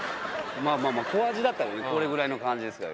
まあまあ、小アジだったら、これぐらいの感じですから。